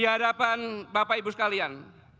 di hadapan bapak ibu sekalian